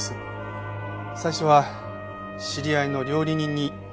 最初は知り合いの料理人に頼むつもりでした。